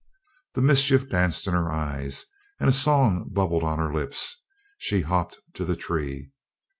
Then the mischief danced in her eyes, and a song bubbled on her lips. She hopped to the tree.